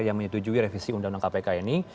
yang menyetujui revisi undang undang kpk ini